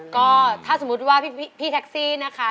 ก็ถ้าสมมุติว่าพี่แท็กซี่นะคะ